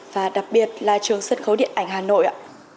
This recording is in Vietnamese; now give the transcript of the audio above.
và đặc biệt là trường sân khấu điện ảnh hà nội ạ